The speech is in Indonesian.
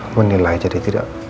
aku menilai jadi tidak